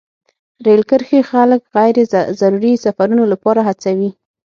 رېل کرښې خلک غیر ضروري سفرونو لپاره هڅوي.